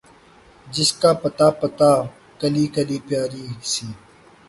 جس کا پتا پتا، کلی کلی پیاری سی